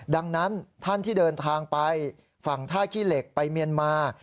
ดังนั้นท่านที่เดินทางไปฝั่งท่าขี้เหล็กไปเมียนมา